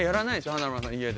華丸さん家で。